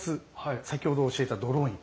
先ほど教えたドローイン。